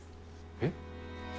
えっ？